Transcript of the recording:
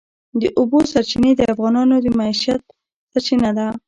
د اوبو سرچینې د افغانانو د معیشت سرچینه ده.